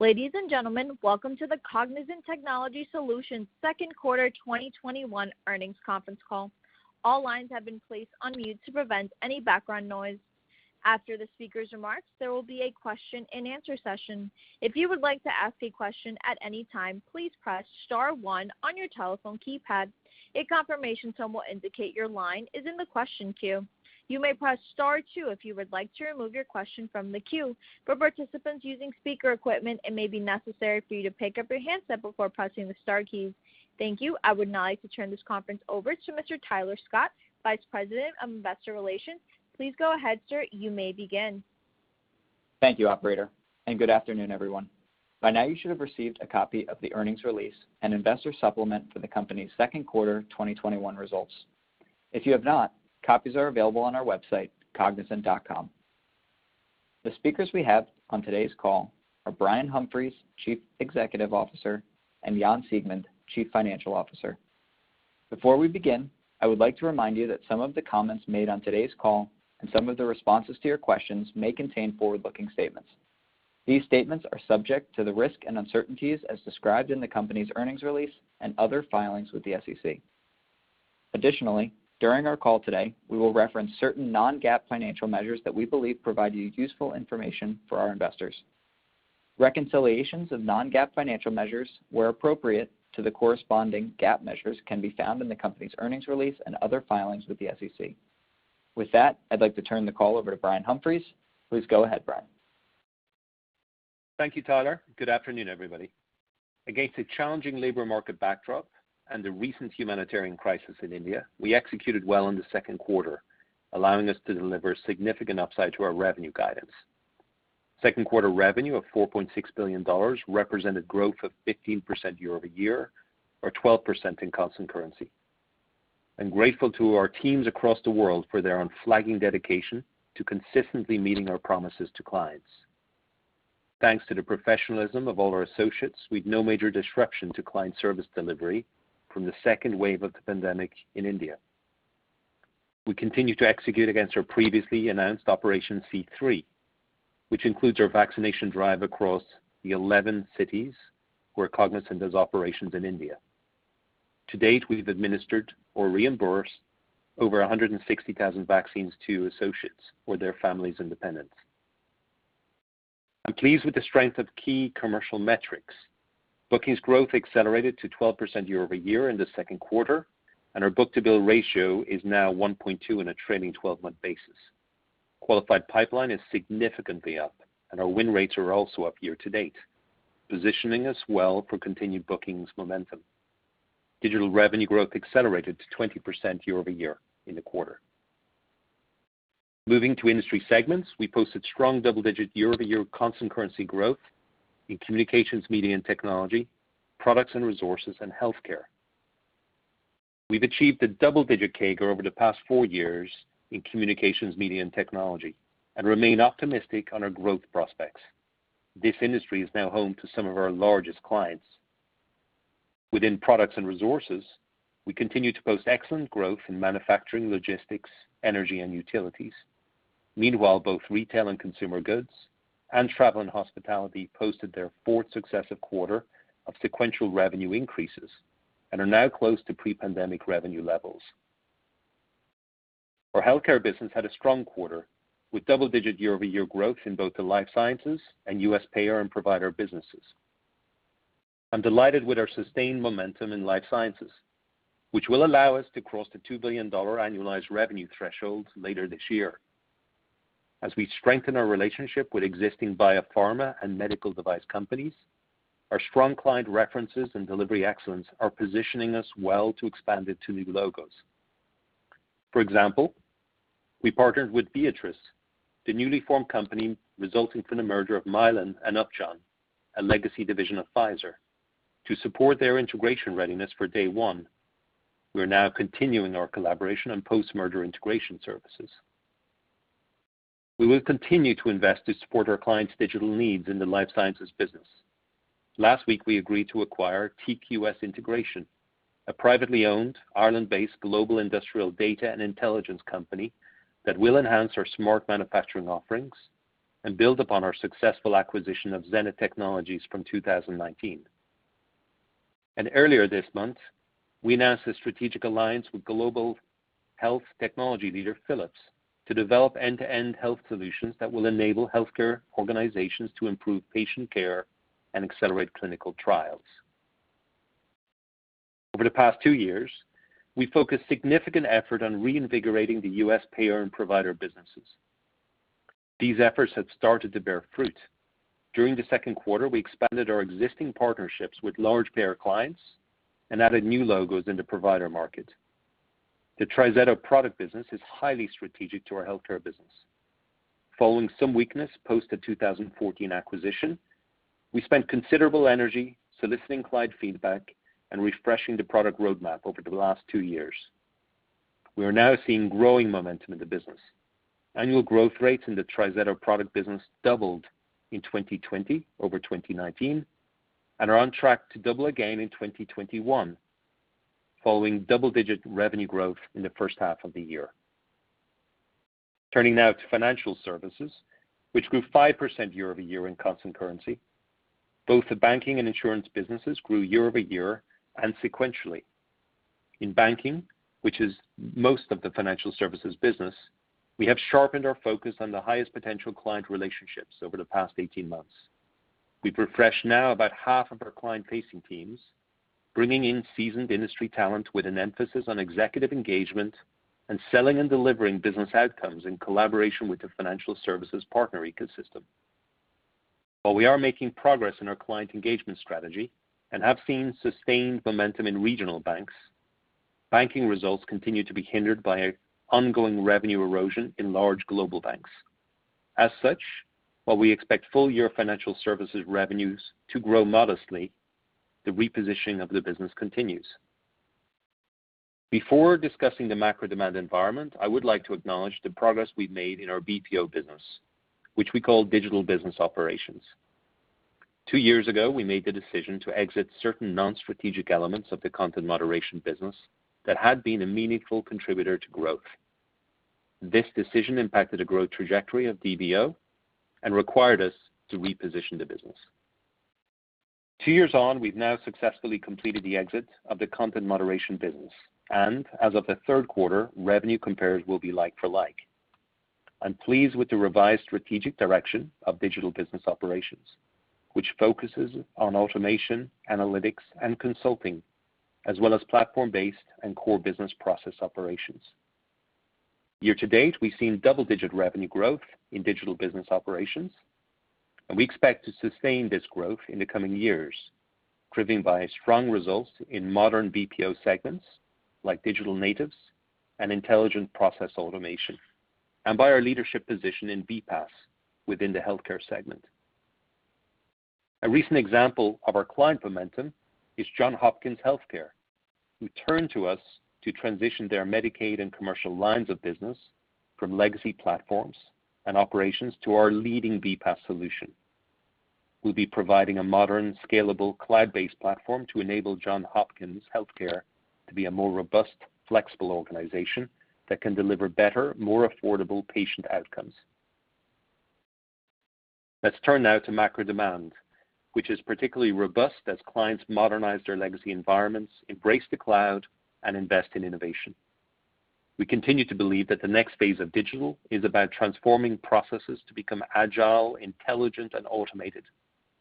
Ladies and gentlemen, welcome to the Cognizant Technology Solutions second quarter 2021 earnings conference call. All lines have been placed on mute to prevent any background noise. After the speakers' remarks, there will be a question and answer session. If you would like to ask a question at any time, please press star one on your telephone keypad. A confirmation tone will indicate your line is in the question queue. You may press star two if you would like to remove your question from the queue. For participants using speaker equipment, it may be necessary for you to pick up your handset before pressing the star keys. Thank you. I would now like to turn this conference over to Mr. Tyler Scott, Vice President of Investor Relations. Please go ahead, sir. You may begin. Thank you, operator. Good afternoon, everyone. By now, you should have received a copy of the earnings release and investor supplement for the company's second quarter 2021 results. If you have not, copies are available on our website, cognizant.com. The speakers we have on today's call are Brian Humphries, Chief Executive Officer, and Jan Siegmund, Chief Financial Officer. Before we begin, I would like to remind you that some of the comments made on today's call and some of the responses to your questions may contain forward-looking statements. These statements are subject to the risk and uncertainties as described in the company's earnings release and other filings with the SEC. Additionally, during our call today, we will reference certain non-GAAP financial measures that we believe provide you useful information for our investors. Reconciliations of non-GAAP financial measures, where appropriate to the corresponding GAAP measures, can be found in the company's earnings release and other filings with the SEC. With that, I'd like to turn the call over to Brian Humphries. Please go ahead, Brian. Thank you, Tyler. Good afternoon, everybody. Against a challenging labor market backdrop and the recent humanitarian crisis in India, we executed well in the second quarter, allowing us to deliver significant upside to our revenue guidance. Second quarter revenue of $4.6 billion represented growth of 15% year-over-year, or 12% in constant currency. I'm grateful to our teams across the world for their unflagging dedication to consistently meeting our promises to clients. Thanks to the professionalism of all our associates, we had no major disruption to client service delivery from the second wave of the pandemic in India. We continue to execute against our previously announced Operation C3, which includes our vaccination drive across the 11 cities where Cognizant does operations in India. To date, we've administered or reimbursed over 160,000 vaccines to associates or their families and dependents. I'm pleased with the strength of key commercial metrics. Bookings growth accelerated to 12% year-over-year in the second quarter, and our book-to-bill ratio is now 1.2 on a trailing 12-month basis. Qualified pipeline is significantly up, and our win rates are also up year to date, positioning us well for continued bookings momentum. Digital revenue growth accelerated to 20% year-over-year in the quarter. Moving to industry segments, we posted strong double-digit year-over-year constant currency growth in Communications, Media and Technology, Products and Resources, and Healthcare. We've achieved a double-digit CAGR over the past four years in Communications, Media and Technology and remain optimistic on our growth prospects. This industry is now home to some of our largest clients. Within Products and Resources, we continue to post excellent growth in manufacturing, logistics, energy, and utilities. Meanwhile, both retail and consumer goods and travel and hospitality posted their fourth successive quarter of sequential revenue increases and are now close to pre-pandemic revenue levels. Our healthcare business had a strong quarter, with double-digit year-over-year growth in both the life sciences and U.S. payer and provider businesses. I'm delighted with our sustained momentum in life sciences, which will allow us to cross the $2 billion annualized revenue threshold later this year. As we strengthen our relationship with existing biopharma and medical device companies, our strong client references and delivery excellence are positioning us well to expand to new logos. For example, we partnered with Viatris, the newly formed company resulting from the merger of Mylan and Upjohn, a legacy division of Pfizer, to support their integration readiness for day one. We are now continuing our collaboration on post-merger integration services. We will continue to invest to support our clients' digital needs in the life sciences business. Last week, we agreed to acquire TQS Integration, a privately owned, Ireland-based global industrial data and intelligence company that will enhance our smart manufacturing offerings and build upon our successful acquisition of Zenith Technologies from 2019. Earlier this month, we announced a strategic alliance with global health technology leader Philips to develop end-to-end health solutions that will enable healthcare organizations to improve patient care and accelerate clinical trials. Over the past two years, we focused significant effort on reinvigorating the U.S. payer and provider businesses. These efforts have started to bear fruit. During the second quarter, we expanded our existing partnerships with large payer clients and added new logos in the provider market. The TriZetto product business is highly strategic to our healthcare business. Following some weakness post the 2014 acquisition, we spent considerable energy soliciting client feedback and refreshing the product roadmap over the last two years. We are now seeing growing momentum in the business. Annual growth rates in the TriZetto product business doubled in 2020 over 2019 and are on track to double again in 2021 following double-digit revenue growth in the first half of the year. Turning now to financial services, which grew 5% year-over-year in constant currency. Both the banking and insurance businesses grew year-over-year and sequentially. In banking, which is most of the financial services business, we have sharpened our focus on the highest potential client relationships over the past 18 months. We've refreshed now about half of our client-facing teams, bringing in seasoned industry talent with an emphasis on executive engagement and selling and delivering business outcomes in collaboration with the financial services partner ecosystem. While we are making progress in our client engagement strategy and have seen sustained momentum in regional banks, banking results continue to be hindered by ongoing revenue erosion in large global banks. As such, while we expect full-year financial services revenues to grow modestly, the repositioning of the business continues. Before discussing the macro demand environment, I would like to acknowledge the progress we've made in our BPO business, which we call digital business operations. Two years ago, we made the decision to exit certain non-strategic elements of the content moderation business that had been a meaningful contributor to growth. This decision impacted a growth trajectory of DBO and required us to reposition the business. Two years on, we've now successfully completed the exit of the content moderation business, and as of the third quarter, revenue compares will be like for like. I'm pleased with the revised strategic direction of digital business operations, which focuses on automation, analytics, and consulting, as well as platform-based and core business process operations. Year to date, we've seen double-digit revenue growth in digital business operations, and we expect to sustain this growth in the coming years, driven by strong results in modern BPO segments like digital natives and intelligent process automation, and by our leadership position in BPaaS within the healthcare segment. A recent example of our client momentum is Johns Hopkins HealthCare, who turned to us to transition their Medicaid and commercial lines of business from legacy platforms and operations to our leading BPaaS solution. We'll be providing a modern, scalable, cloud-based platform to enable Johns Hopkins HealthCare to be a more robust, flexible organization that can deliver better, more affordable patient outcomes. Let's turn now to macro demand, which is particularly robust as clients modernize their legacy environments, embrace the cloud, and invest in innovation. We continue to believe that the next phase of digital is about transforming processes to become agile, intelligent, and automated,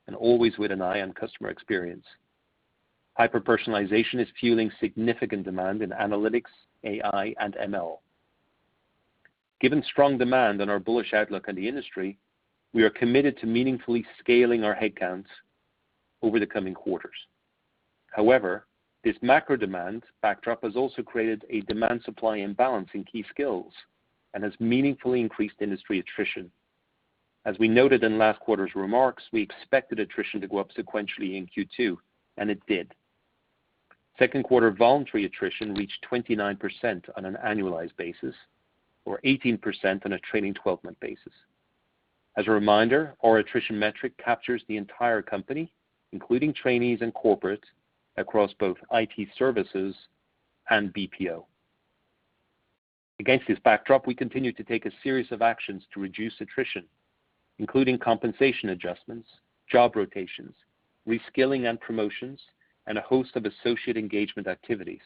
and always with an eye on customer experience. Hyper-personalization is fueling significant demand in analytics, AI, and ML. Given strong demand and our bullish outlook on the industry, we are committed to meaningfully scaling our headcounts over the coming quarters. However, this macro demand backdrop has also created a demand-supply imbalance in key skills and has meaningfully increased industry attrition. As we noted in last quarter's remarks, we expected attrition to go up sequentially in Q2, and it did. Second quarter voluntary attrition reached 29% on an annualized basis or 18% on a trailing 12-month basis. As a reminder, our attrition metric captures the entire company, including trainees and corporate, across both IT services and BPO. Against this backdrop, we continued to take a series of actions to reduce attrition, including compensation adjustments, job rotations, reskilling and promotions, and a host of associate engagement activities.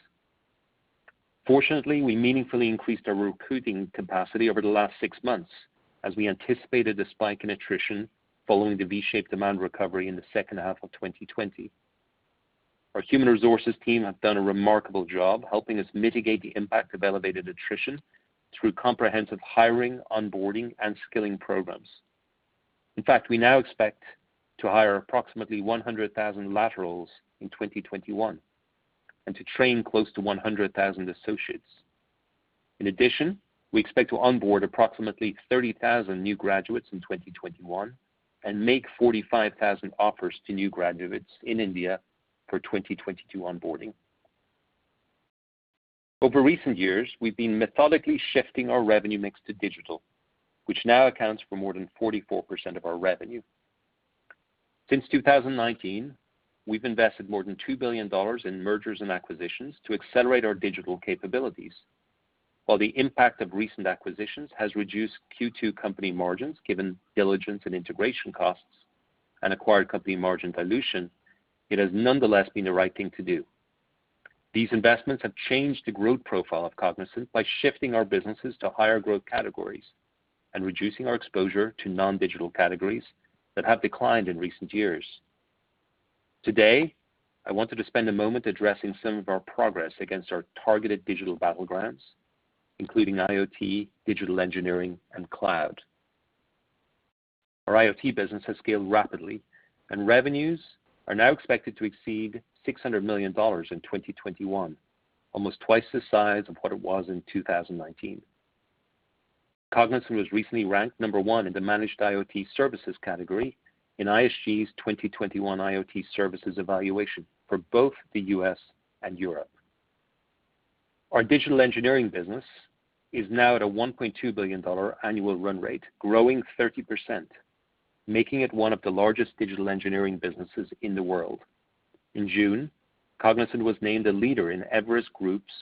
Fortunately, we meaningfully increased our recruiting capacity over the last six months as we anticipated a spike in attrition following the V-shaped demand recovery in the second half of 2020. Our human resources team have done a remarkable job helping us mitigate the impact of elevated attrition through comprehensive hiring, onboarding, and skilling programs. In fact, we now expect to hire approximately 100,000 laterals in 2021 and to train close to 100,000 associates. In addition, we expect to onboard approximately 30,000 new graduates in 2021 and make 45,000 offers to new graduates in India for 2022 onboarding. Over recent years, we've been methodically shifting our revenue mix to digital, which now accounts for more than 44% of our revenue. Since 2019, we've invested more than $2 billion in mergers and acquisitions to accelerate our digital capabilities. While the impact of recent acquisitions has reduced Q2 company margins, given diligence and integration costs, and acquired company margin dilution, it has nonetheless been the right thing to do. These investments have changed the growth profile of Cognizant by shifting our businesses to higher growth categories and reducing our exposure to non-digital categories that have declined in recent years. Today, I wanted to spend a moment addressing some of our progress against our targeted digital battlegrounds, including IoT, digital engineering, and cloud. Our IoT business has scaled rapidly, revenues are now expected to exceed $600 million in 2021, almost twice the size of what it was in 2019. Cognizant was recently ranked number one in the managed IoT services category in ISG's 2021 IoT services evaluation for both the U.S. and Europe. Our digital engineering business is now at a $1.2 billion annual run rate, growing 30%, making it one of the largest digital engineering businesses in the world. In June, Cognizant was named a leader in Everest Group's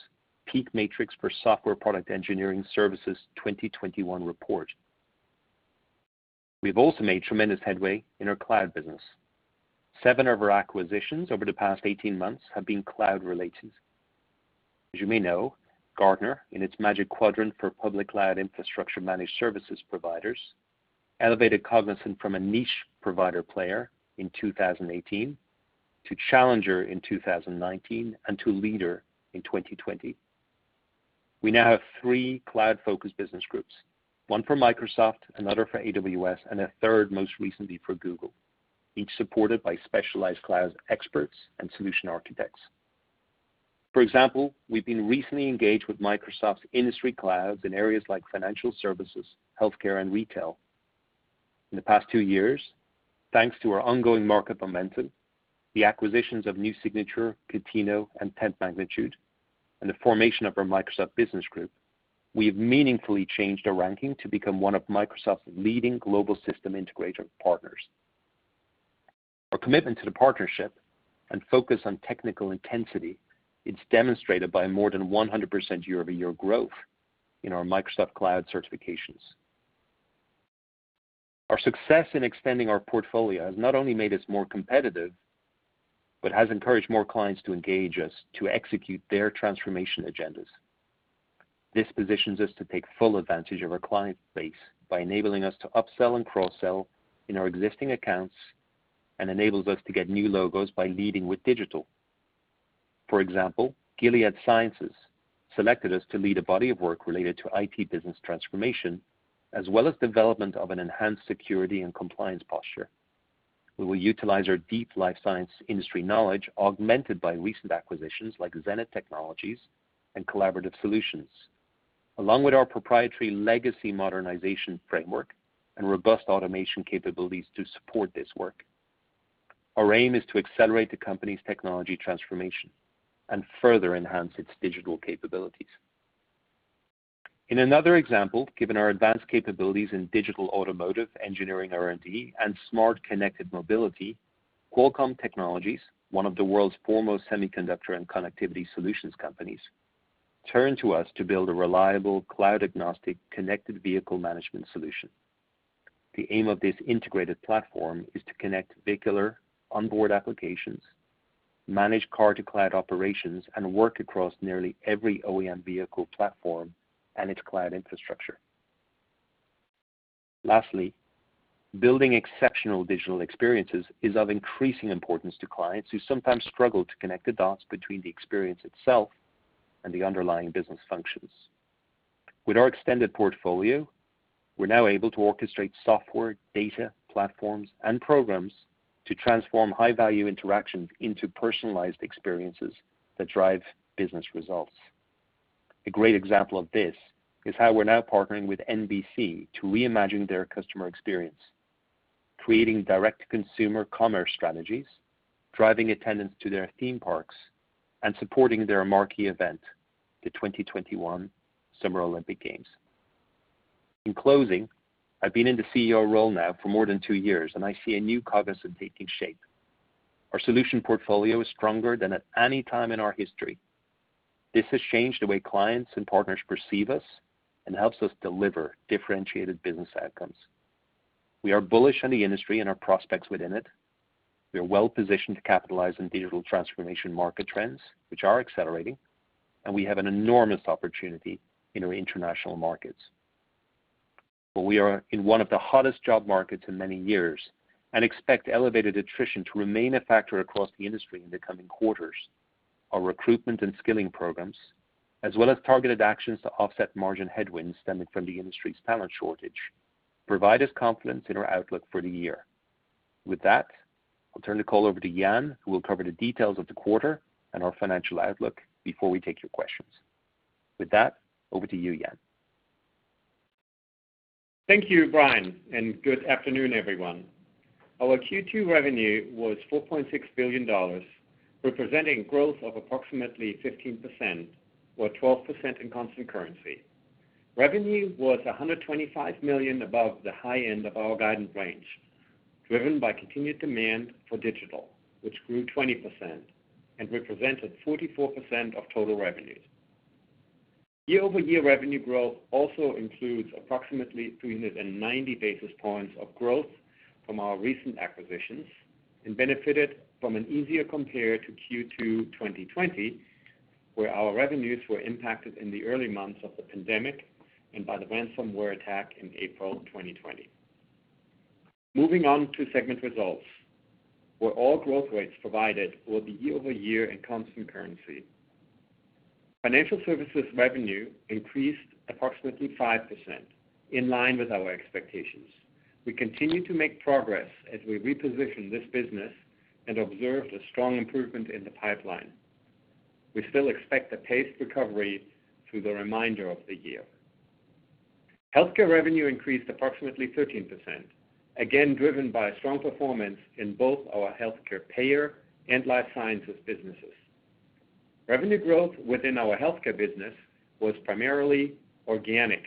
PEAK Matrix for Software Product Engineering Services 2021 report. We've also made tremendous headway in our cloud business. Seven of our acquisitions over the past 18 months have been cloud-related. As you may know, Gartner, in its Magic Quadrant for Public Cloud Infrastructure Managed Services Providers, elevated Cognizant from a niche provider player in 2018 to challenger in 2019 and to leader in 2020. We now have three cloud-focused business groups, one for Microsoft, another for AWS, and a third, most recently, for Google, each supported by specialized cloud experts and solution architects. For example, we've been recently engaged with Microsoft's industry clouds in areas like financial services, healthcare, and retail. In the past two years, thanks to our ongoing market momentum, the acquisitions of New Signature, Contino, and 10th Magnitude, and the formation of our Microsoft business group, we've meaningfully changed our ranking to become one of Microsoft's leading global system integrator partners. Our commitment to the partnership and focus on technical intensity is demonstrated by more than 100% year-over-year growth in our Microsoft Cloud certifications. Our success in extending our portfolio has not only made us more competitive, but has encouraged more clients to engage us to execute their transformation agendas. This positions us to take full advantage of our client base by enabling us to upsell and cross-sell in our existing accounts and enables us to get new logos by leading with digital. For example, Gilead Sciences selected us to lead a body of work related to IT business transformation, as well as development of an enhanced security and compliance posture. We will utilize our deep life sciences industry knowledge, augmented by recent acquisitions like Zenith Technologies and Collaborative Solutions, along with our proprietary legacy modernization framework and robust automation capabilities to support this work. Our aim is to accelerate the company's technology transformation and further enhance its digital capabilities. In another example, given our advanced capabilities in digital automotive, engineering R&D, and smart connected mobility, Qualcomm Technologies, one of the world's foremost semiconductor and connectivity solutions companies, turned to us to build a reliable, cloud-agnostic, connected vehicle management solution. The aim of this integrated platform is to connect vehicular onboard applications, manage car-to-cloud operations, and work across nearly every OEM vehicle platform and its cloud infrastructure. Lastly, building exceptional digital experiences is of increasing importance to clients who sometimes struggle to connect the dots between the experience itself and the underlying business functions. With our extended portfolio, we're now able to orchestrate software, data, platforms, and programs to transform high-value interactions into personalized experiences that drive business results. A great example of this is how we're now partnering with NBC to reimagine their customer experience, creating direct-to-consumer commerce strategies, driving attendance to their theme parks, and supporting their marquee event, the Tokyo 2020 Summer Olympics. In closing, I've been in the CEO role now for more than two years, and I see a new Cognizant taking shape. Our solution portfolio is stronger than at any time in our history. This has changed the way clients and partners perceive us and helps us deliver differentiated business outcomes. We are bullish on the industry and our prospects within it. We are well-positioned to capitalize on digital transformation market trends, which are accelerating, and we have an enormous opportunity in our international markets. We are in one of the hottest job markets in many years and expect elevated attrition to remain a factor across the industry in the coming quarters. Our recruitment and skilling programs, as well as targeted actions to offset margin headwinds stemming from the industry's talent shortage, provide us confidence in our outlook for the year. With that, I'll turn the call over to Jan, who will cover the details of the quarter and our financial outlook before we take your questions. With that, over to you, Jan. Thank you, Brian, and good afternoon, everyone. Our Q2 revenue was $4.6 billion, representing growth of approximately 15%, or 12% in constant currency. Revenue was $125 million above the high end of our guidance range, driven by continued demand for digital, which grew 20% and represented 44% of total revenues. Year-over-year revenue growth also includes approximately 390 basis points of growth from our recent acquisitions and benefited from an easier compare to Q2 2020, where our revenues were impacted in the early months of the pandemic and by the ransomware attack in April 2020. Moving on to segment results, where all growth rates provided will be year-over-year and constant currency. Financial Services revenue increased approximately 5%, in line with our expectations. We continue to make progress as we reposition this business and observed a strong improvement in the pipeline. We still expect a paced recovery through the remainder of the year. Healthcare revenue increased approximately 13%, again driven by strong performance in both our healthcare payer and life sciences businesses. Revenue growth within our healthcare business was primarily organic,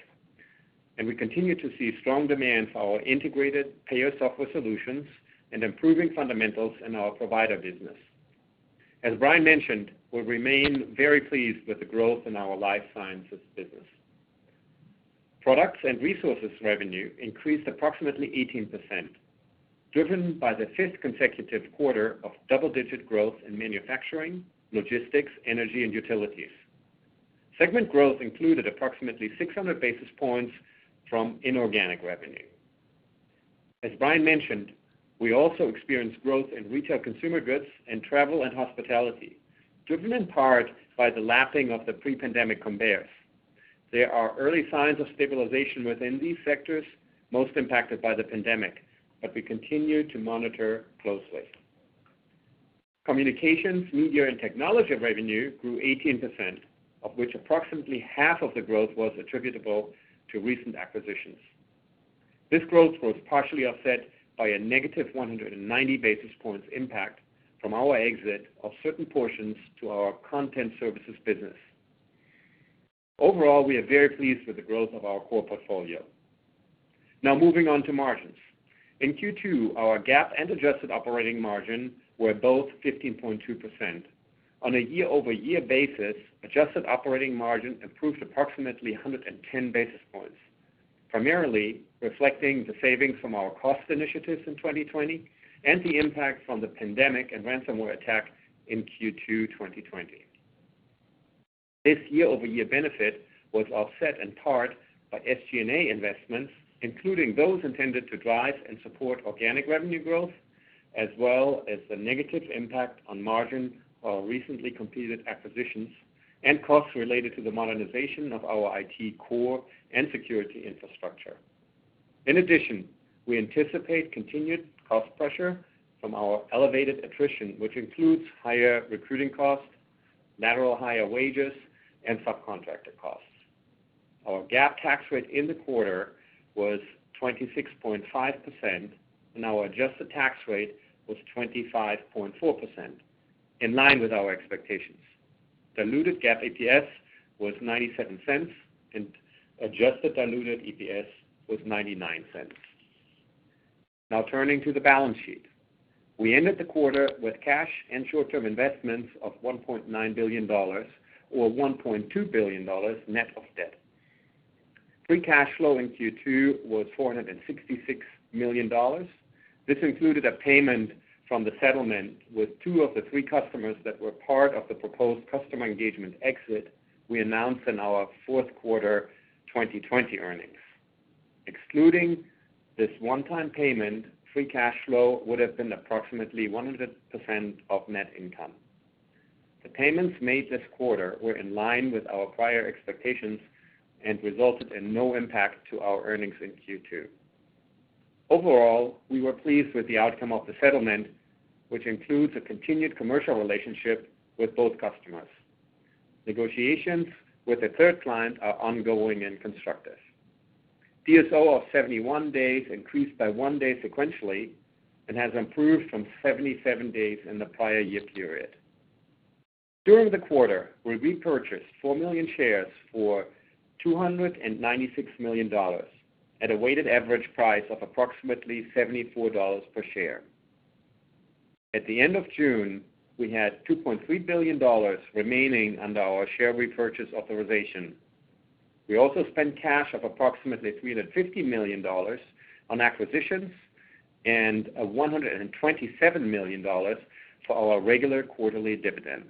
and we continue to see strong demand for our integrated payer software solutions and improving fundamentals in our provider business. As Brian mentioned, we remain very pleased with the growth in our life sciences business. Products and resources revenue increased approximately 18%, driven by the fifth consecutive quarter of double-digit growth in manufacturing, logistics, energy, and utilities. Segment growth included approximately 600 basis points from inorganic revenue. As Brian mentioned, we also experienced growth in retail consumer goods and travel and hospitality, driven in part by the lapping of the pre-pandemic compares. There are early signs of stabilization within these sectors most impacted by the pandemic, but we continue to monitor closely. Communications, Media, and Technology revenue grew 18%, of which approximately half of the growth was attributable to recent acquisitions. This growth was partially offset by a negative 190 basis points impact from our exit of certain portions to our content services business. Overall, we are very pleased with the growth of our core portfolio. Moving on to margins. In Q2, our GAAP and adjusted operating margin were both 15.2%. On a year-over-year basis, adjusted operating margin improved approximately 110 basis points, primarily reflecting the savings from our cost initiatives in 2020 and the impact from the pandemic and ransomware attack in Q2 2020. This year-over-year benefit was offset in part by SG&A investments, including those intended to drive and support organic revenue growth, as well as the negative impact on margin of our recently completed acquisitions and costs related to the modernization of our IT core and security infrastructure. In addition, we anticipate continued cost pressure from our elevated attrition, which includes higher recruiting costs, lateral hire wages, and subcontractor costs. Our GAAP tax rate in the quarter was 26.5%, and our adjusted tax rate was 25.4%, in line with our expectations. Diluted GAAP EPS was $0.97 and adjusted diluted EPS was $0.99. Now turning to the balance sheet. We ended the quarter with cash and short-term investments of $1.9 billion, or $1.2 billion net of debt. Free cash flow in Q2 was $466 million. This included a payment from the settlement with two of the three customers that were part of the proposed customer engagement exit we announced in our fourth quarter 2020 earnings. Excluding this one-time payment, free cash flow would have been approximately 100% of net income. The payments made this quarter were in line with our prior expectations and resulted in no impact to our earnings in Q2. Overall, we were pleased with the outcome of the settlement, which includes a continued commercial relationship with both customers. Negotiations with the third client are ongoing and constructive. DSO of 71 days increased by one day sequentially and has improved from 77 days in the prior year period. During the quarter, we repurchased 4 million shares for $296 million at a weighted average price of approximately $74 per share. At the end of June, we had $2.3 billion remaining under our share repurchase authorization. We also spent cash of approximately $350 million on acquisitions and $127 million for our regular quarterly dividend.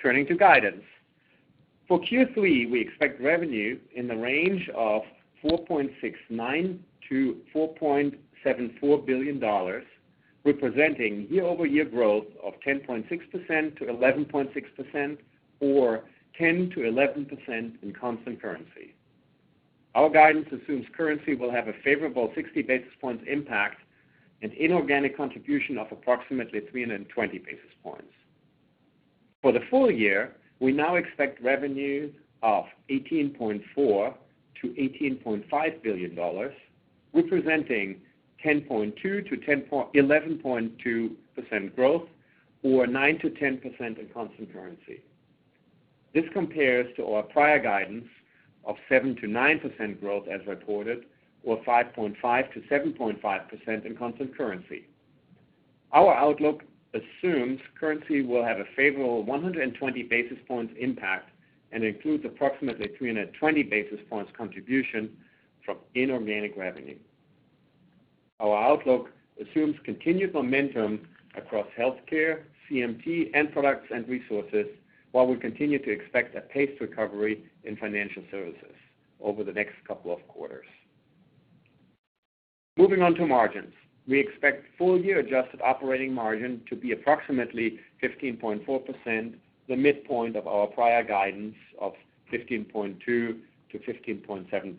Turning to guidance. For Q3, we expect revenue in the range of $4.69 billion-$4.74 billion, representing year-over-year growth of 10.6%-11.6%, or 10%-11% in constant currency. Our guidance assumes currency will have a favorable 60 basis points impact, an inorganic contribution of approximately 320 basis points. For the full year, we now expect revenue of $18.4 billion-$18.5 billion, representing 10.2%-11.2% growth, or 9%-10% in constant currency. This compares to our prior guidance of 7%-9% growth as reported, or 5.5%-7.5% in constant currency. Our outlook assumes currency will have a favorable 120 basis points impact and includes approximately 320 basis points contribution from inorganic revenue. Our outlook assumes continued momentum across healthcare, CMT, and products and resources, while we continue to expect a paced recovery in financial services over the next couple of quarters. Moving on to margins. We expect full-year adjusted operating margin to be approximately 15.4%, the midpoint of our prior guidance of 15.2%-15.7%.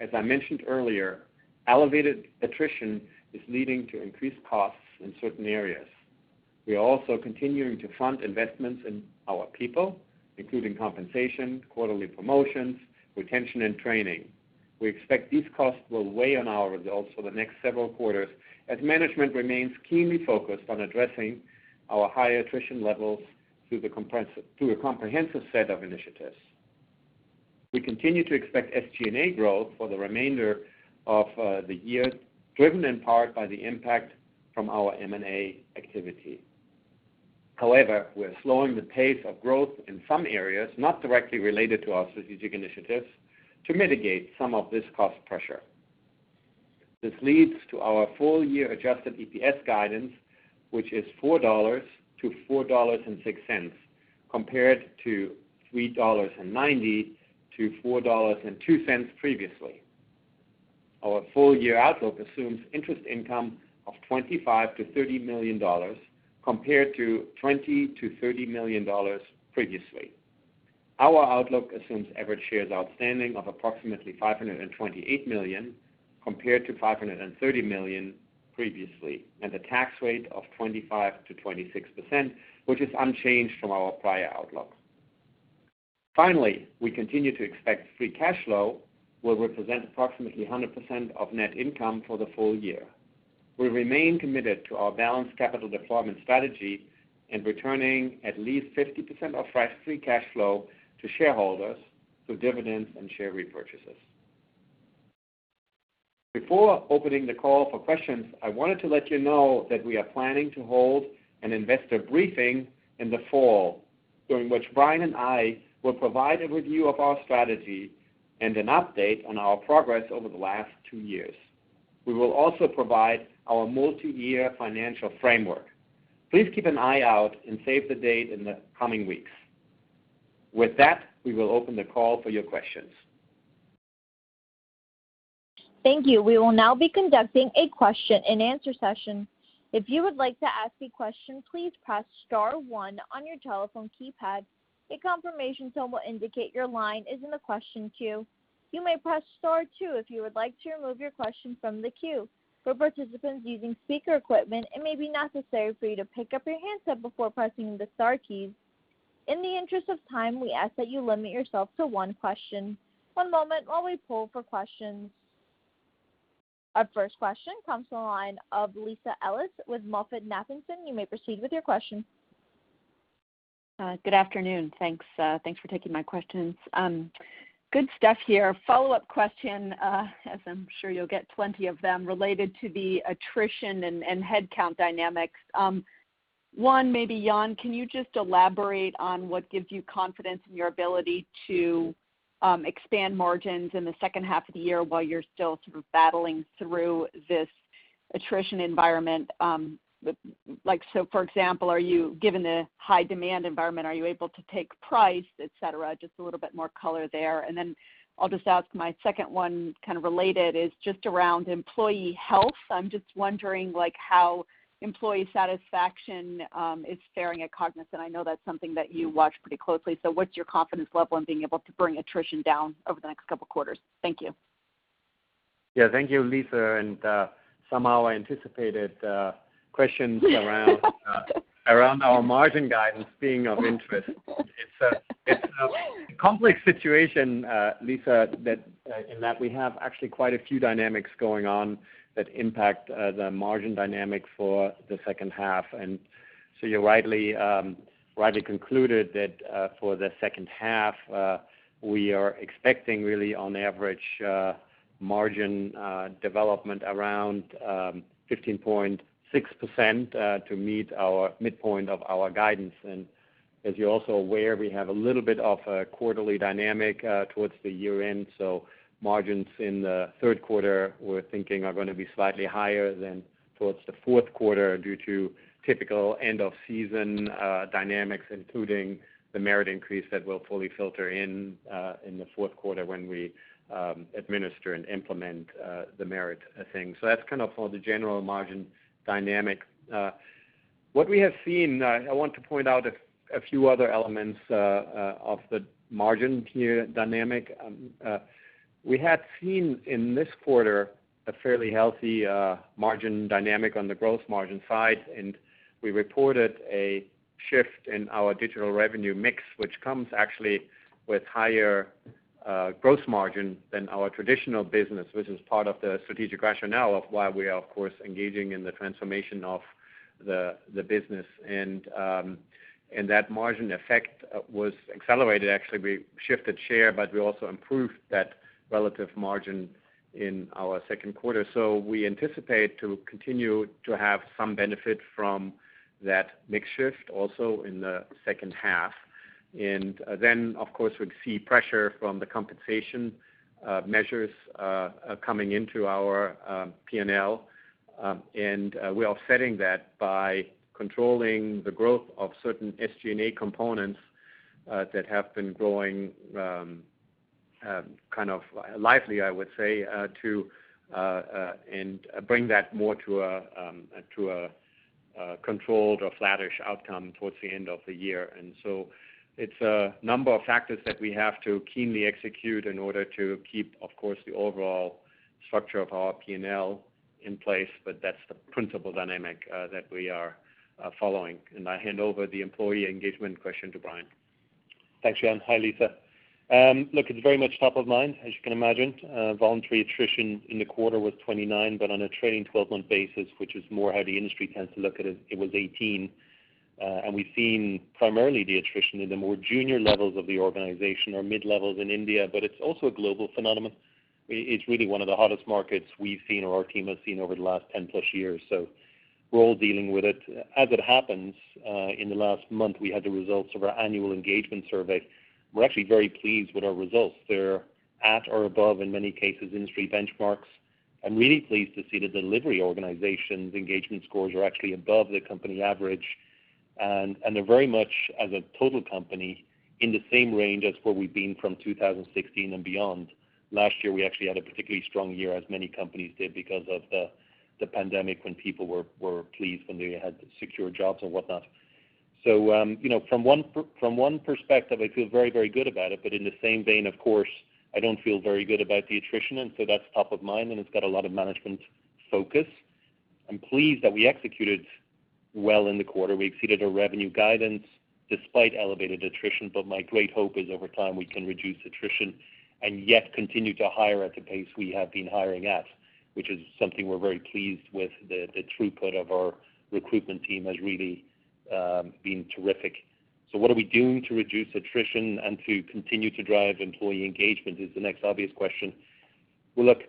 As I mentioned earlier, elevated attrition is leading to increased costs in certain areas. We are also continuing to fund investments in our people, including compensation, quarterly promotions, retention, and training. We expect these costs will weigh on our results for the next several quarters as management remains keenly focused on addressing our high attrition levels through a comprehensive set of initiatives. We continue to expect SG&A growth for the remainder of the year, driven in part by the impact from our M&A activity. However, we're slowing the pace of growth in some areas not directly related to our strategic initiatives to mitigate some of this cost pressure. This leads to our full-year adjusted EPS guidance, which is $4-$4.06 compared to $3.90-$4.02 previously. Our full-year outlook assumes interest income of $25 million-$30 million compared to $20 million-$30 million previously. Our outlook assumes average shares outstanding of approximately 528 million compared to 530 million previously, and a tax rate of 25%-26%, which is unchanged from our prior outlook. Finally, we continue to expect free cash flow will represent approximately 100% of net income for the full year. We remain committed to our balanced capital deployment strategy and returning at least 50% of our free cash flow to shareholders through dividends and share repurchases. Before opening the call for questions, I wanted to let you know that we are planning to hold an investor briefing in the fall, during which Brian and I will provide a review of our strategy and an update on our progress over the last two years. We will also provide our multi-year financial framework. Please keep an eye out and save the date in the coming weeks. With that, we will open the call for your questions. Thank you. We will now be conducting a question and answer session. If you would like to ask a question, please press star one on your telephone keypad. A confirmation tone will indicate your line is in the question queue. You may press star two if you would like to remove your question from the queue. For participants using speaker equipment, it may be necessary for you to pick up your handset before pressing the star keys. In the interest of time, we ask that you limit yourself to one question. One moment while we poll for questions. Our first question comes from the line of Lisa Ellis with MoffettNathanson. You may proceed with your question. Good afternoon. Thanks for taking my questions. Good stuff here. Follow-up question, as I'm sure you'll get plenty of them related to the attrition and headcount dynamics. One, maybe, Jan, can you just elaborate on what gives you confidence in your ability to expand margins in the second half of the year while you're still sort of battling through this attrition environment? For example, given the high demand environment, are you able to take price, et cetera? Just a little bit more color there. I'll just ask my second one, kind of related, is just around employee health. I'm just wondering how employee satisfaction is faring at Cognizant. I know that's something that you watch pretty closely. What's your confidence level in being able to bring attrition down over the next couple of quarters? Thank you. Yeah, thank you, Lisa, somehow I anticipated questions around our margin guidance being of interest. It's a complex situation, Lisa, in that we have actually quite a few dynamics going on that impact the margin dynamic for the second half. So you rightly concluded that for the second half, we are expecting really on average, margin development around 15.6% to meet our midpoint of our guidance. As you're also aware, we have a little bit of a quarterly dynamic towards the year-end, so margins in the third quarter we're thinking are going to be slightly higher than towards the fourth quarter due to typical end-of-season dynamics, including the merit increase that will fully filter in the fourth quarter when we administer and implement the merit thing. That's kind of for the general margin dynamic. What we have seen, I want to point out a few other elements of the margin dynamic. We had seen in this quarter a fairly healthy margin dynamic on the gross margin side, and we reported a shift in our digital revenue mix, which comes actually with higher gross margin than our traditional business, which is part of the strategic rationale of why we are, of course, engaging in the transformation of the business. That margin effect was accelerated, actually. We shifted share, we also improved that relative margin in our second quarter. We anticipate to continue to have some benefit from that mix shift also in the second half. Of course, we'd see pressure from the compensation measures coming into our P&L, and we are offsetting that by controlling the growth of certain SG&A components that have been growing kind of lively, I would say, and bring that more to a controlled or flattish outcome towards the end of the year. It's a number of factors that we have to keenly execute in order to keep, of course, the overall structure of our P&L in place, but that's the principal dynamic that we are following. I hand over the employee engagement question to Brian. Thanks, Jan. Hi, Lisa. Look, it's very much top of mind, as you can imagine. Voluntary attrition in the quarter was 29%, but on a trailing 12-month basis, which is more how the industry tends to look at it was 18%. We've seen primarily the attrition in the more junior levels of the organization or mid-levels in India, but it's also a global phenomenon. It's really one of the hottest markets we've seen or our team has seen over the last 10+ years. We're all dealing with it. As it happens, in the last month, we had the results of our annual engagement survey. We're actually very pleased with our results. They're at or above, in many cases, industry benchmarks. I'm really pleased to see the delivery organization's engagement scores are actually above the company average, and they're very much as a total company in the same range as where we've been from 2016 and beyond. Last year, we actually had a particularly strong year, as many companies did because of the pandemic when people were pleased when they had secure jobs and whatnot. From one perspective, I feel very, very good about it. In the same vein, of course, I don't feel very good about the attrition, and so that's top of mind, and it's got a lot of management focus. I'm pleased that we executed well in the quarter. We exceeded our revenue guidance despite elevated attrition. My great hope is over time we can reduce attrition and yet continue to hire at the pace we have been hiring at, which is something we're very pleased with. The throughput of our recruitment team has really been terrific. What are we doing to reduce attrition and to continue to drive employee engagement is the next obvious question. Well, look,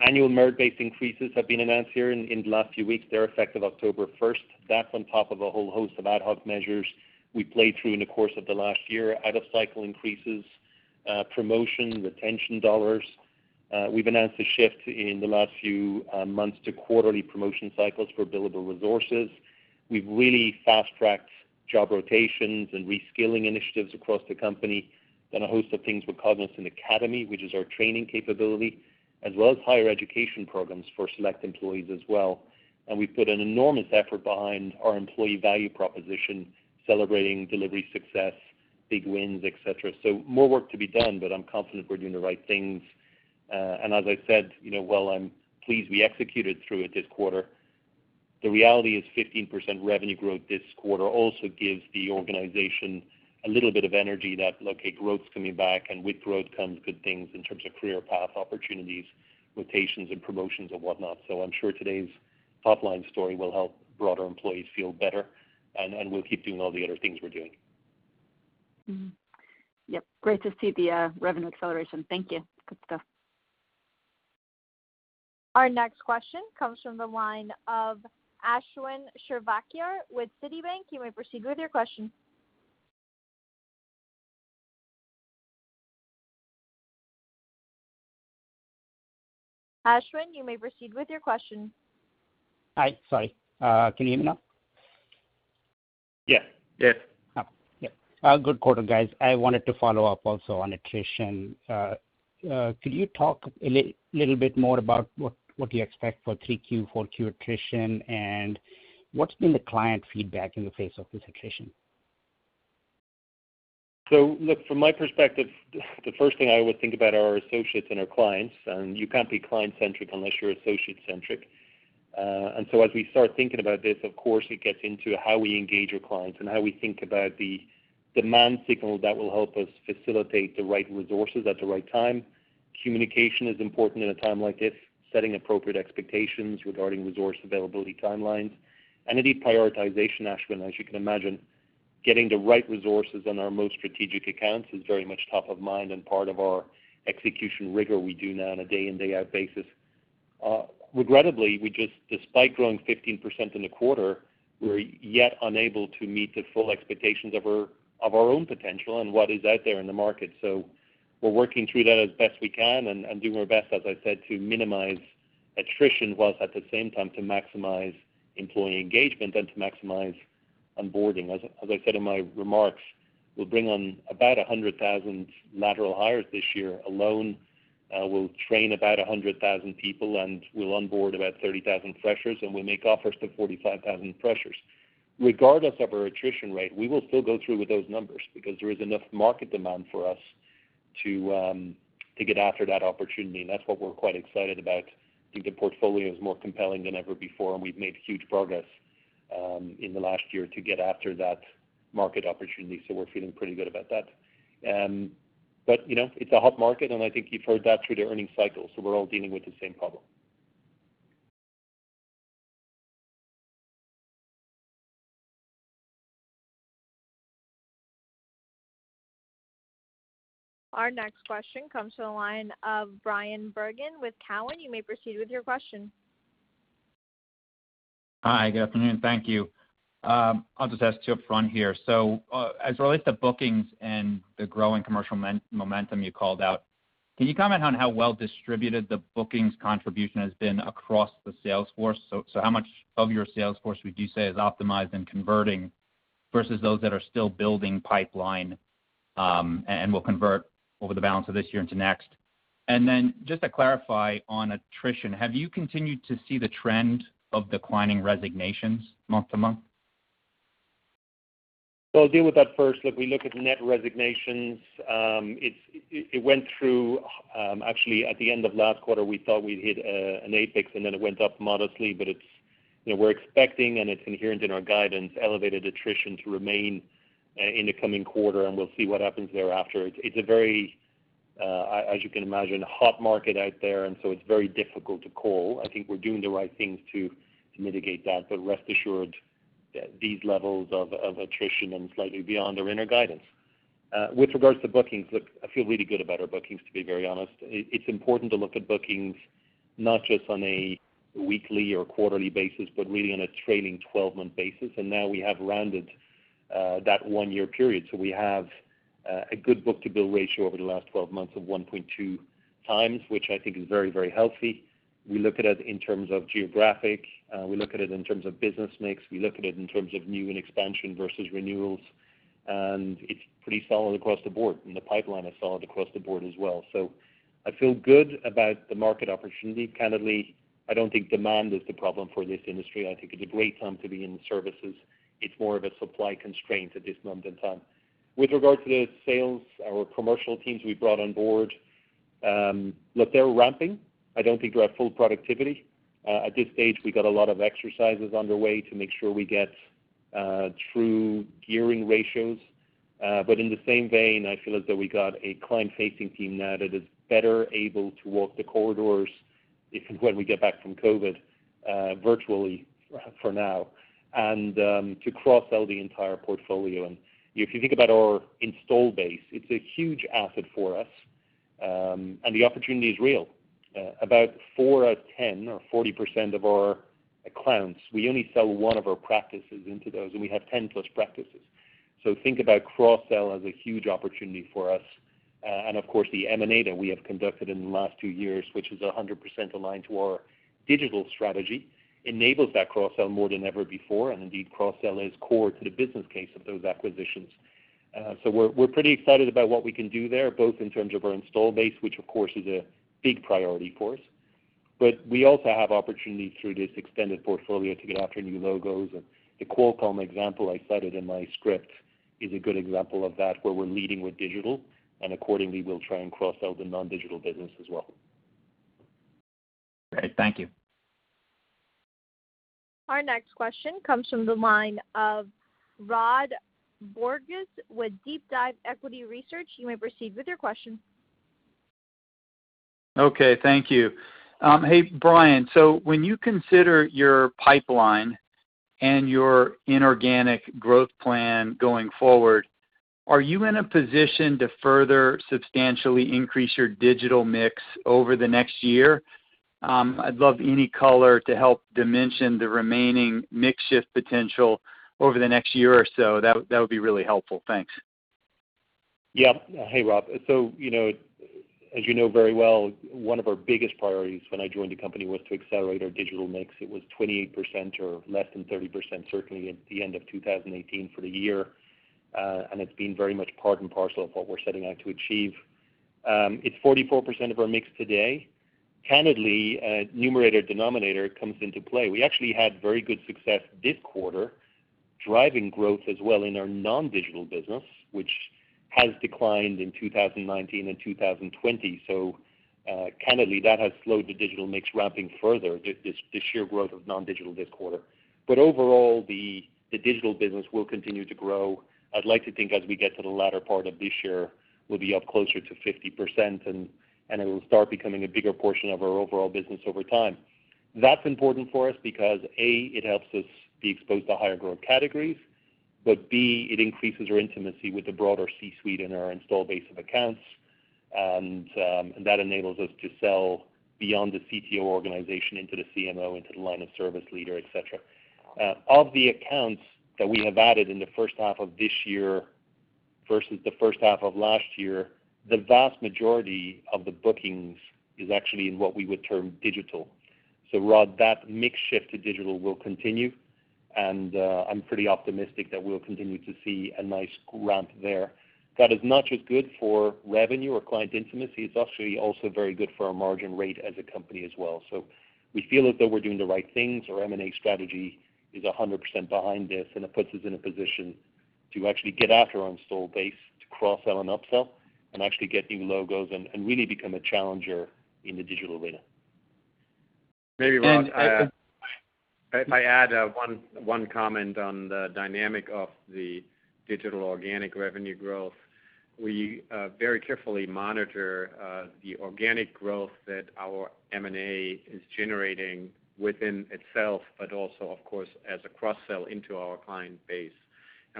annual merit-based increases have been announced here in the last few weeks. They're effective October 1st. That's on top of a whole host of ad hoc measures we played through in the course of the last year. Out of cycle increases, promotion, retention dollars. We've announced a shift in the last few months to quarterly promotion cycles for billable resources. We've really fast-tracked job rotations and reskilling initiatives across the company. A host of things with Cognizant Academy, which is our training capability, as well as higher education programs for select employees as well. We've put an enormous effort behind our employee value proposition, celebrating delivery success, big wins, et cetera. More work to be done, but I'm confident we're doing the right things. As I said, while I'm pleased we executed through it this quarter, the reality is 15% revenue growth this quarter also gives the organization a little bit of energy that, okay, growth's coming back and with growth comes good things in terms of career path opportunities, rotations and promotions and whatnot. I'm sure today's top-line story will help broader employees feel better, and we'll keep doing all the other things we're doing. Yep. Great to see the revenue acceleration. Thank you. Good stuff. Our next question comes from the line of Ashwin Shirvaikar with Citi. You may proceed with your question. Ashwin, you may proceed with your question. Hi. Sorry. Can you hear me now? Yeah. Oh, yeah. Good quarter, guys. I wanted to follow up also on attrition. Could you talk a little bit more about what you expect for 3Q, 4Q attrition, and what's been the client feedback in the face of this attrition? Look, from my perspective, the first thing I always think about are our associates and our clients, and you can't be client-centric unless you're associate-centric. As we start thinking about this, of course, it gets into how we engage our clients and how we think about the demand signal that will help us facilitate the right resources at the right time. Communication is important in a time like this, setting appropriate expectations regarding resource availability timelines, and a deprioritization, Ashwin, as you can imagine. Getting the right resources on our most strategic accounts is very much top of mind and part of our execution rigor we do now on a day-in, day-out basis. Regrettably, despite growing 15% in the quarter, we're yet unable to meet the full expectations of our own potential and what is out there in the market. We're working through that as best we can and doing our best, as I said, to minimize attrition whilst at the same time to maximize employee engagement and to maximize onboarding. As I said in my remarks, we'll bring on about 100,000 lateral hires this year alone. We'll train about 100,000 people, and we'll onboard about 30,000 freshers, and we'll make offers to 45,000 freshers. Regardless of our attrition rate, we will still go through with those numbers because there is enough market demand for us to get after that opportunity, and that's what we're quite excited about. I think the portfolio is more compelling than ever before, and we've made huge progress in the last year to get after that market opportunity, so we're feeling pretty good about that. It's a hot market, and I think you've heard that through the earnings cycle, so we're all dealing with the same problem. Our next question comes to the line of Bryan Bergin with Cowen. You may proceed with your question. Hi. Good afternoon. Thank you. I'll just ask two up front here. As relates to bookings and the growing commercial momentum you called out, can you comment on how well distributed the bookings contribution has been across the sales force? How much of your sales force would you say is optimized and converting versus those that are still building pipeline, and will convert over the balance of this year into next? Just to clarify on attrition, have you continued to see the trend of declining resignations month-over-month? I'll deal with that first. Look, we look at net resignations. Actually, at the end of last quarter, we thought we'd hit an apex, and then it went up modestly. We're expecting, and it's inherent in our guidance, elevated attrition to remain in the coming quarter, and we'll see what happens thereafter. It's a very, as you can imagine, hot market out there, and so it's very difficult to call. I think we're doing the right things to mitigate that. Rest assured, these levels of attrition and slightly beyond are in our guidance. With regards to bookings, look, I feel really good about our bookings, to be very honest. It's important to look at bookings not just on a weekly or quarterly basis, but really on a trailing 12-month basis. Now we have rounded that one-year period. We have a good book-to-bill ratio over the last 12 months of 1.2x, which I think is very healthy. We look at it in terms of geographic, we look at it in terms of business mix, we look at it in terms of new and expansion versus renewals, and it's pretty solid across the board. The pipeline is solid across the board as well. I feel good about the market opportunity. Candidly, I don't think demand is the problem for this industry. I think it's a great time to be in services. It's more of a supply constraint at this moment in time. With regard to the sales, our commercial teams we brought on board, look, they're ramping. I don't think they're at full productivity. At this stage, we got a lot of exercises underway to make sure we get true gearing ratios. In the same vein, I feel as though we got a client-facing team now that is better able to walk the corridors, when we get back from COVID, virtually for now, and to cross-sell the entire portfolio. If you think about our install base, it's a huge asset for us, and the opportunity is real. About 4 out of 10 or 40% of our clients, we only sell one of our practices into those, and we have 10+ practices. Think about cross-sell as a huge opportunity for us. Of course, the M&A that we have conducted in the last two years, which is 100% aligned to our digital strategy, enables that cross-sell more than ever before, and indeed, cross-sell is core to the business case of those acquisitions. We're pretty excited about what we can do there, both in terms of our install base, which of course is a big priority for us. We also have opportunities through this extended portfolio to get after new logos. The Qualcomm example I cited in my script is a good example of that, where we're leading with digital, and accordingly, we'll try and cross-sell the non-digital business as well. Great. Thank you. Our next question comes from the line of Rod Bourgeois with DeepDive Equity Research. You may proceed with your question. Okay. Thank you. Hey, Brian. When you consider your pipeline and your inorganic growth plan going forward, are you in a position to further substantially increase your digital mix over the next year? I'd love any color to help dimension the remaining mix shift potential over the next year or so. That would be really helpful. Thanks. Yep. Hey, Rod. As you know very well, one of our biggest priorities when I joined the company was to accelerate our digital mix. It was 28% or less than 30%, certainly at the end of 2018 for the year. It's been very much part and parcel of what we're setting out to achieve. It's 44% of our mix today. Candidly, numerator, denominator comes into play. We actually had very good success this quarter driving growth as well in our non-digital business, which has declined in 2019 and 2020. Candidly, that has slowed the digital mix ramping further, the sheer growth of non-digital this quarter. Overall, the digital business will continue to grow. I'd like to think as we get to the latter part of this year, we'll be up closer to 50%, and it'll start becoming a bigger portion of our overall business over time. That's important for us because, A, it helps us be exposed to higher growth categories. B, it increases our intimacy with the broader C-suite and our install base of accounts. That enables us to sell beyond the CTO organization into the CMO, into the line of service leader, et cetera. Of the accounts that we have added in the first half of this year versus the first half of last year, the vast majority of the bookings is actually in what we would term digital. Rod, that mix shift to digital will continue, and I'm pretty optimistic that we'll continue to see a nice ramp there. That is not just good for revenue or client intimacy, it's actually also very good for our margin rate as a company as well. We feel as though we're doing the right things. Our M&A strategy is 100% behind this. It puts us in a position to actually get after our install base to cross-sell and upsell and actually get new logos and really become a challenger in the digital arena. Maybe, Rod- And I think- I add one comment on the dynamic of the digital organic revenue growth. We very carefully monitor the organic growth that our M&A is generating within itself, but also, of course, as a cross-sell into our client base.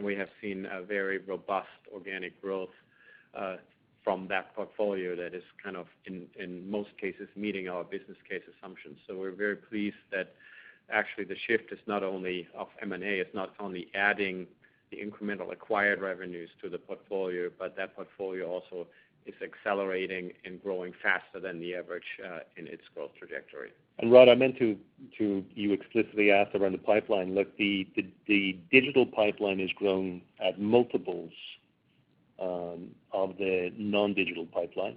We have seen a very robust organic growth from that portfolio that is kind of, in most cases, meeting our business case assumptions. We're very pleased that actually the shift is not only of M&A, it's not only adding the incremental acquired revenues to the portfolio, but that portfolio also is accelerating and growing faster than the average in its growth trajectory. Rod, I meant to you explicitly ask around the pipeline. Look, the digital pipeline has grown at multiples Of the non-digital pipeline.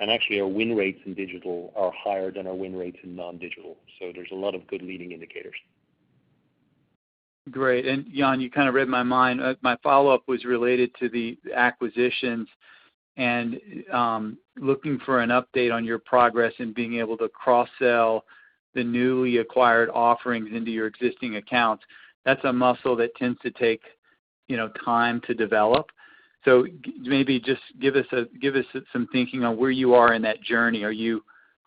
Actually, our win rates in digital are higher than our win rates in non-digital. There's a lot of good leading indicators. Great. Jan, you read my mind. My follow-up was related to the acquisitions and looking for an update on your progress in being able to cross-sell the newly acquired offerings into your existing accounts. That's a muscle that tends to take time to develop. Maybe just give us some thinking on where you are in that journey. Are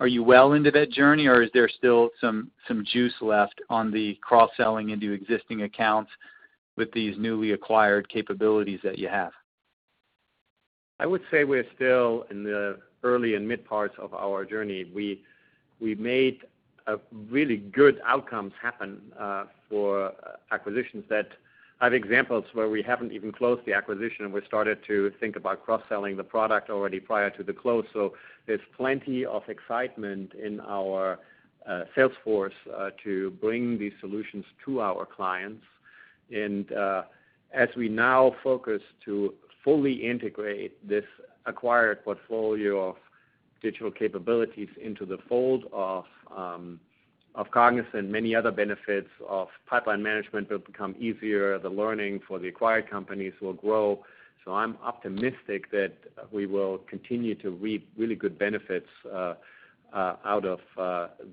you well into that journey, or is there still some juice left on the cross-selling into existing accounts with these newly acquired capabilities that you have? I would say we're still in the early and mid parts of our journey. We made really good outcomes happen for acquisitions that have examples where we haven't even closed the acquisition, and we started to think about cross-selling the product already prior to the close. There's plenty of excitement in our sales force to bring these solutions to our clients. As we now focus to fully integrate this acquired portfolio of digital capabilities into the fold of Cognizant, many other benefits of pipeline management will become easier, the learning for the acquired companies will grow. I'm optimistic that we will continue to reap really good benefits out of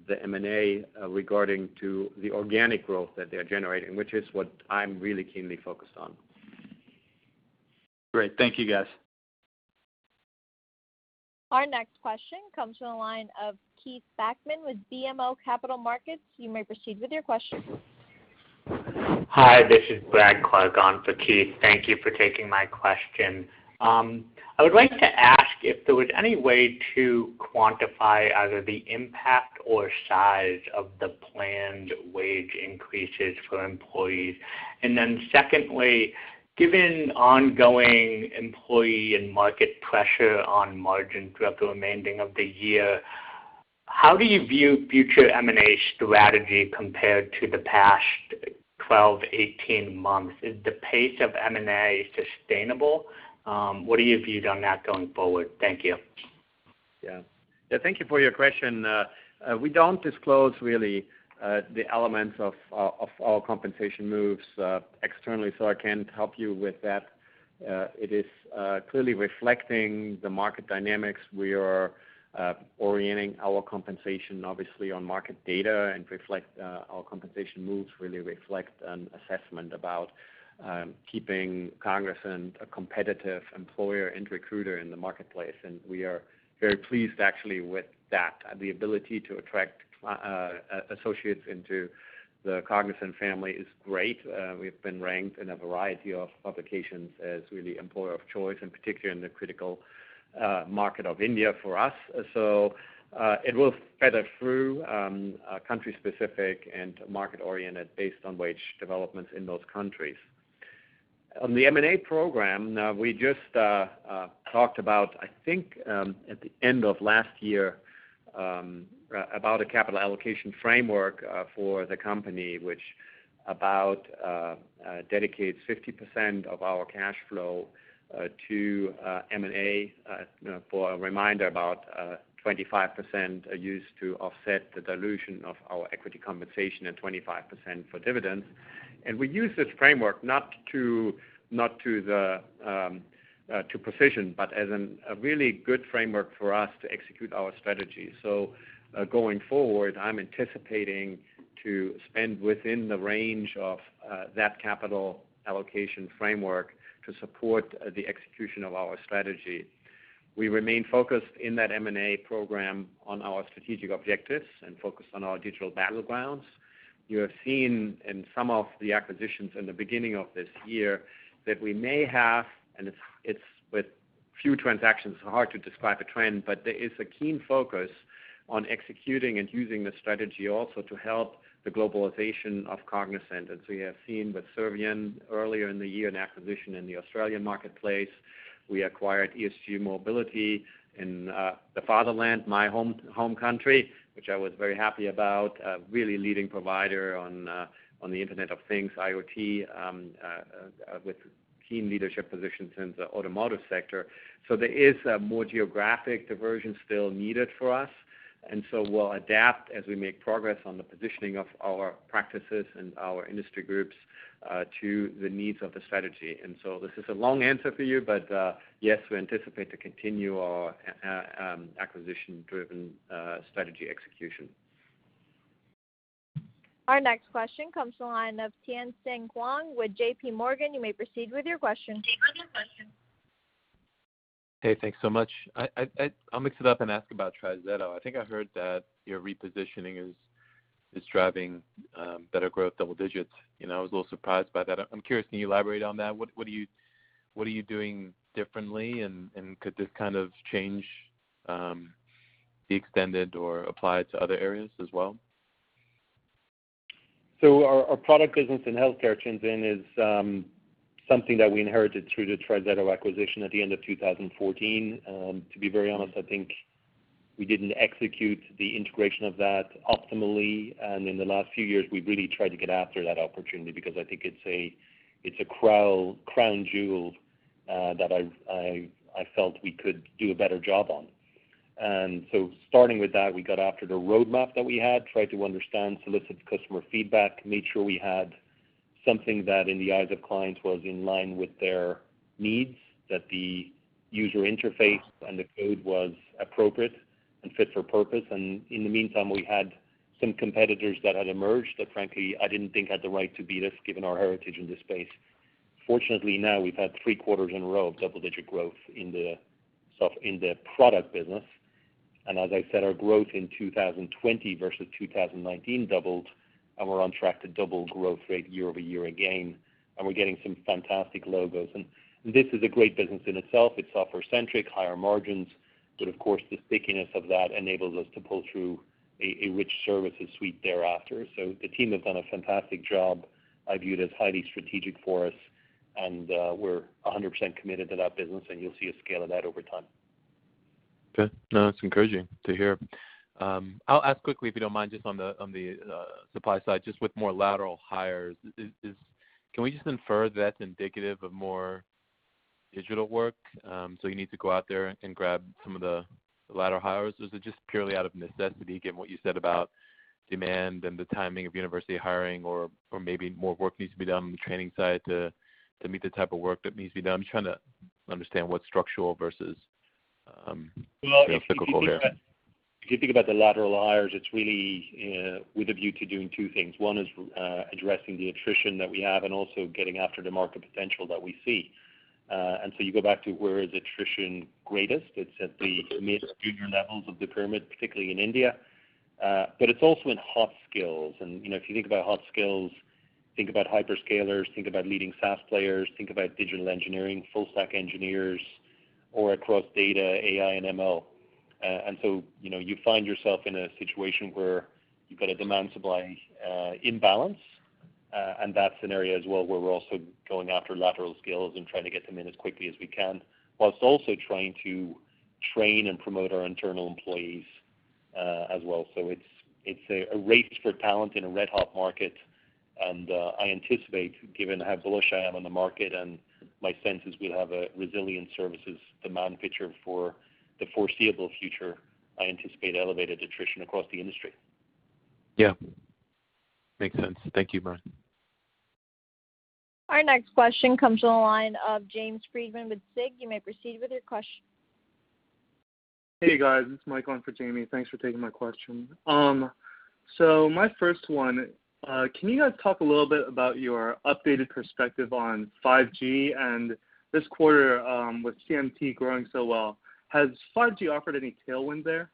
the M&A regarding to the organic growth that they're generating, which is what I'm really keenly focused on. Great. Thank you, guys. Our next question comes from the line of Keith Bachman with BMO Capital Markets. You may proceed with your question. Hi, this is Brad Clark on for Keith. Thank you for taking my question. I would like to ask if there was any way to quantify either the impact or size of the planned wage increases for employees. Secondly, given ongoing employee and market pressure on margin throughout the remaining of the year, how do you view future M&A strategy compared to the past 12, 18 months? Is the pace of M&A sustainable? What are your views on that going forward? Thank you. Yeah. Thank you for your question. We don't disclose really the elements of our compensation moves externally, so I can't help you with that. It is clearly reflecting the market dynamics. We are orienting our compensation, obviously, on market data. Our compensation moves really reflect an assessment about keeping Cognizant a competitive employer and recruiter in the marketplace. We are very pleased, actually, with that. The ability to attract associates into the Cognizant family is great. We've been ranked in a variety of publications as really employer of choice, in particular in the critical market of India for us. It will feather through country-specific and market-oriented based on wage developments in those countries. On the M&A program, we just talked about, I think, at the end of last year, about a capital allocation framework for the company, which about dedicates 50% of our cash flow to M&A. For a reminder, about 25% are used to offset the dilution of our equity compensation and 25% for dividends. We use this framework not to precision, but as a really good framework for us to execute our strategy. Going forward, I'm anticipating to spend within the range of that capital allocation framework to support the execution of our strategy. We remain focused in that M&A program on our strategic objectives and focused on our digital battlegrounds. You have seen in some of the acquisitions in the beginning of this year that we may have, and with few transactions, it's hard to describe a trend, but there is a keen focus on executing and using the strategy also to help the globalization of Cognizant. You have seen with Servian earlier in the year, an acquisition in the Australian marketplace. We acquired ESG Mobility in the fatherland, my home country, which I was very happy about, a really leading provider on the Internet of Things, IoT, with keen leadership positions in the automotive sector. There is more geographic diversion still needed for us, we'll adapt as we make progress on the positioning of our practices and our industry groups to the needs of the strategy. This is a long answer for you, but yes, we anticipate to continue our acquisition-driven strategy execution. Our next question comes from the line of Tien-Tsin Huang with JPMorgan. You may proceed with your question. Hey, thanks so much. I'll mix it up and ask about TriZetto. I think I heard that your repositioning is driving better growth, double digits. I was a little surprised by that. I'm curious, can you elaborate on that? What are you doing differently, and could this change be extended or applied to other areas as well? Our product business in healthcare, Tien-Tsin, is something that we inherited through the TriZetto acquisition at the end of 2014. To be very honest, I think. We didn't execute the integration of that optimally. In the last few years, we've really tried to get after that opportunity because I think it's a crown jewel that I felt we could do a better job on. Starting with that, we got after the roadmap that we had, tried to understand, solicit customer feedback, made sure we had something that in the eyes of clients was in line with their needs, that the user interface and the code was appropriate and fit for purpose. In the meantime, we had some competitors that had emerged that frankly I didn't think had the right to beat us given our heritage in this space. Fortunately, now we've had three quarters in a row of double-digit growth in the product business. As I said, our growth in 2020 versus 2019 doubled, and we're on track to double growth rate year-over-year again, and we're getting some fantastic logos. This is a great business in itself. It's software-centric, higher margins, but of course, the stickiness of that enables us to pull through a rich services suite thereafter. The team has done a fantastic job. I view it as highly strategic for us, and we're 100% committed to that business, and you'll see us scale in that over time. Okay. No, that's encouraging to hear. I'll ask quickly, if you don't mind, just on the supply side, just with more lateral hires. Can we just infer that's indicative of more digital work? You need to go out there and grab some of the lateral hires? Is it just purely out of necessity given what you said about demand and the timing of university hiring or maybe more work needs to be done on the training side to meet the type of work that needs to be done? I'm trying to understand what's structural versus. Well, if you think about- cyclical there You think about the lateral hires, it's really with a view to doing two things. One is addressing the attrition that we have and also getting after the market potential that we see. You go back to where is attrition greatest? It's at the mid-junior levels of the pyramid, particularly in India. It's also in hot skills. If you think about hot skills, think about hyperscalers, think about leading SaaS players, think about digital engineering, full stack engineers, or across data, AI, and ML. You find yourself in a situation where you've got a demand-supply imbalance, and that's an area as well where we're also going after lateral skills and trying to get them in as quickly as we can, whilst also trying to train and promote our internal employees, as well. It's a race for talent in a red hot market, and I anticipate given how bullish I am on the market, and my sense is we'll have a resilient services demand picture for the foreseeable future. I anticipate elevated attrition across the industry. Yeah. Makes sense. Thank you, Brian. Our next question comes on the line of James Friedman with Susquehanna. You may proceed with your question. Hey, guys. It's Mike in for Jamie. Thanks for taking my question. My first one, can you guys talk a little bit about your updated perspective on 5G and this quarter, with CMT growing so well, has 5G offered any tailwind there?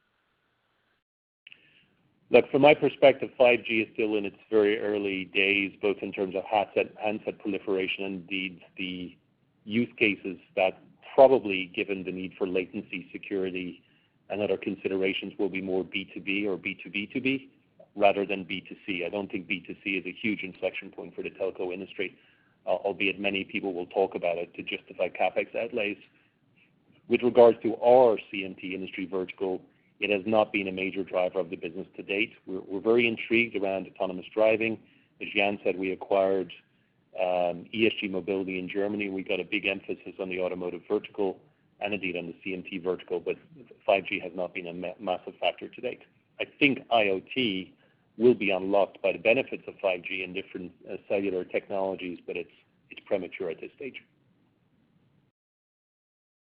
From my perspective, 5G is still in its very early days, both in terms of handset proliferation and indeed the use cases that probably given the need for latency, security, and other considerations will be more B2B or B2B2B rather than B2C. I don't think B2C is a huge inflection point for the telco industry, albeit many people will talk about it to justify CapEx outlays. With regards to our CMT industry vertical, it has not been a major driver of the business to date. We're very intrigued around autonomous driving. As Jan said, we acquired ESG Mobility in Germany. We got a big emphasis on the automotive vertical and indeed on the CMT vertical, 5G has not been a massive factor to date. I think IoT will be unlocked by the benefits of 5G and different cellular technologies, it's premature at this stage.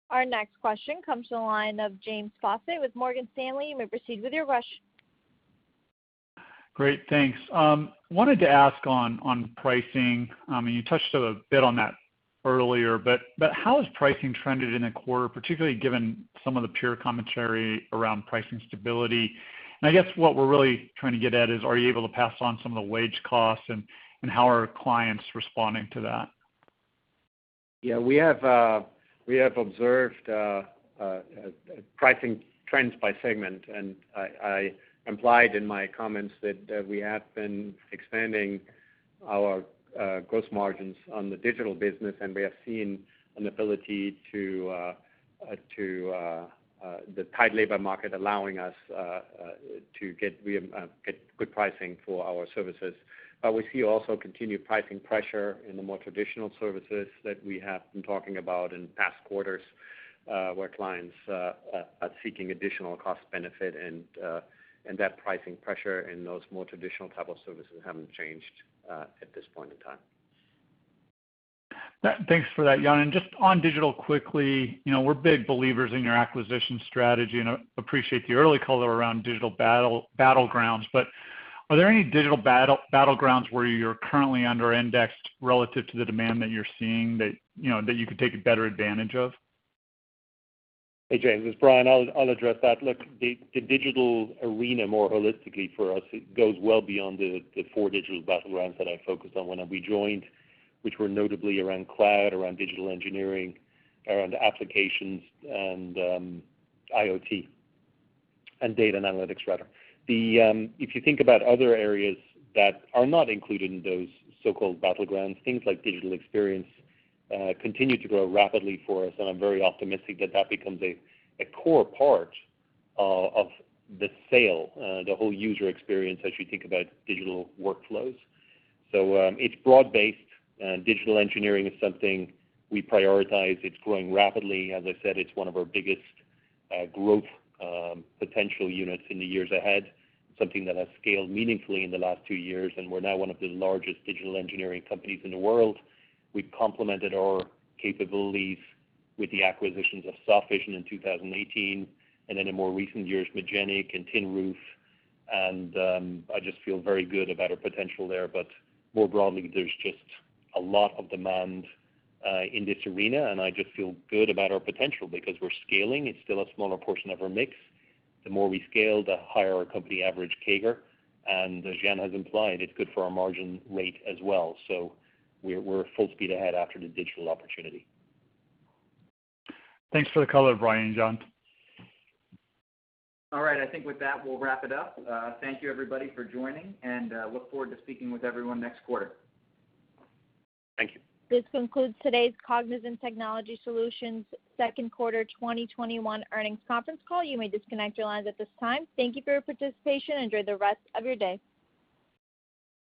Our next question comes to the line of James Faucette with Morgan Stanley. You may proceed with your question. Great, thanks. Wanted to ask on pricing. You touched a bit on that earlier, but how has pricing trended in the quarter, particularly given some of the peer commentary around pricing stability? I guess what we're really trying to get at is, are you able to pass on some of the wage costs and how are clients responding to that? Yeah, we have observed pricing trends by segment, and I implied in my comments that we have been expanding our gross margins on the digital business, and we have seen an ability to the tight labor market allowing us to get good pricing for our services. We see also continued pricing pressure in the more traditional services that we have been talking about in past quarters, where clients are seeking additional cost benefit and that pricing pressure in those more traditional type of services haven't changed at this point in time. Thanks for that, Jan. Just on digital quickly, we're big believers in your acquisition strategy and appreciate the early color around digital battlegrounds. Are there any digital battlegrounds where you're currently under-indexed relative to the demand that you're seeing that you could take better advantage of? Hey, James, it's Brian. I'll address that. Look, the digital arena more holistically for us, it goes well beyond the four digital battlegrounds that I focused on when we joined, which were notably around cloud, around digital engineering, around applications, and IoT, and data and analytics rather. If you think about other areas that are not included in those so-called battlegrounds, things like digital experience continue to grow rapidly for us, and I'm very optimistic that that becomes a core part of the sale, the whole user experience as you think about digital workflows. It's broad based. Digital engineering is something we prioritize. It's growing rapidly. As I said, it's one of our biggest growth potential units in the years ahead. Something that has scaled meaningfully in the last two years, and we're now one of the largest digital engineering companies in the world. We've complemented our capabilities with the acquisitions of Softvision in 2018, and then in more recent years, Magenic and Tin Roof, and I just feel very good about our potential there. More broadly, there's just a lot of demand in this arena, and I just feel good about our potential because we're scaling. It's still a smaller portion of our mix. The more we scale, the higher our company average CAGR. As Jan has implied, it's good for our margin rate as well. We're full speed ahead after the digital opportunity. Thanks for the color, Brian and Jan. All right. I think with that, we'll wrap it up. Thank you everybody for joining, and look forward to speaking with everyone next quarter. Thank you. This concludes today's Cognizant Technology Solutions second quarter 2021 earnings conference call. You may disconnect your lines at this time. Thank you for your participation. Enjoy the rest of your day.